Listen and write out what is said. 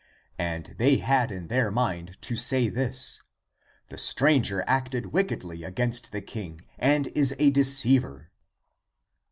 And they had in their mind to say this :" The stranger acted wickedly against the king, and is a deceiver."